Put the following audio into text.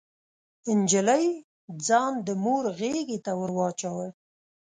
نجلۍ ځان د مور غيږې ته ور واچاوه.